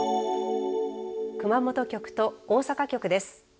熊本局と大阪局です。